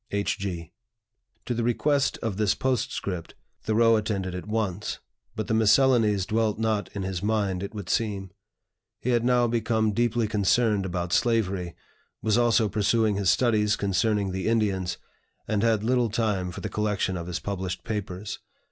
"H. G." To the request of this postscript Thoreau attended at once, but the "Miscellanies" dwelt not in his mind, it would seem. He had now become deeply concerned about slavery, was also pursuing his studies concerning the Indians, and had little time for the collection of his published papers.